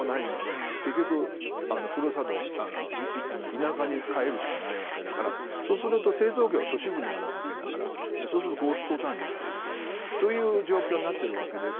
結局、故郷田舎に帰るしかないわけだからそうすると製造業は都市部にあるわけだからそうするとゴーストタウンになっていくという状況になっているわけです。